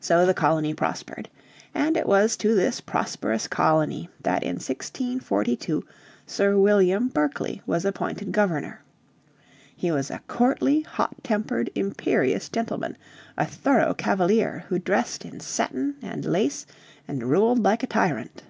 So the colony prospered. And it was to this prosperous colony that in 1642 Sir William Berkeley was appointed Governor. He was a courtly, hot tempered, imperious gentleman, a thorough cavalier who dressed in satin and lace and ruled like a tyrant.